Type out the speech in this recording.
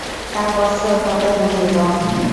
তার বস্ত্র রক্তে রঞ্জিত।